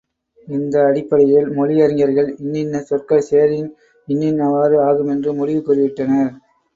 இந்த அடிப்படையில், மொழி அறிஞர்கள், இன்னின்ன சொற்கள் சேரின் இன்னின்னவாறு ஆகும் என்று முடிபு கூறிவிட்டனர்.